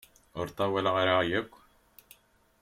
Ur ṭṭawaleɣ ara yakk.